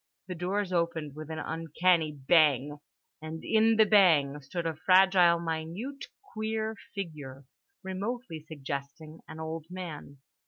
The doors opened with an uncanny bang and in the bang stood a fragile minute queer figure, remotely suggesting an old man.